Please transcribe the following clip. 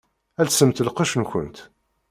Lsemt lqecc-nkent!